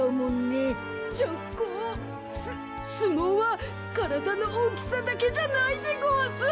すすもうはからだのおおきさだけじゃないでごわす。